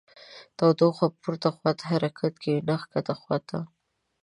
تودوخه پورته خواته حرکت کوي نه ښکته خواته.